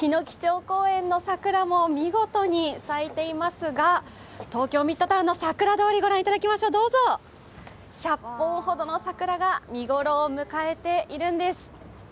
桜も見事に咲いていますが東京ミッドタウンの桜通、ご覧いただきましょう１００本ほどの桜が見頃を迎えているんです。